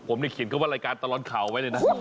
ผมเขียนเข้าในการตะรอนขาวไว้เลยนะ